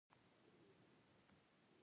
د کیوبا پاچاهۍ ترڅنګ د کانګو موقعیت راښيي.